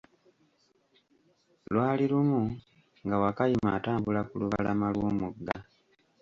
Lwali lumu, nga Wakayima atambula ku lubalama Iw'omugga.